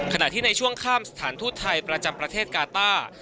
ขณะที่ในช่วงข้ามสถานทูตไทยประจำประเทศกาต้า